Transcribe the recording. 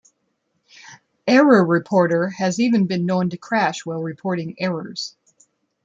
Error Reporter has even been known to crash while reporting errors.